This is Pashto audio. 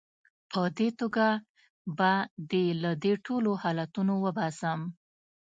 په دې توګه به دې له دې ټولو حالتونو وباسم.